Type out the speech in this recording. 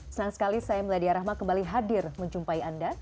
senang sekali saya meladia rahma kembali hadir menjumpai anda